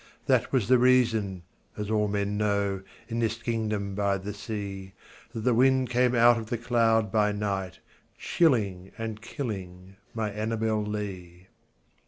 that was the reason (as all men know, In this kingdom by the sea) That the wind came out of the cloud by night, Chilling and killing my Annabel Lee.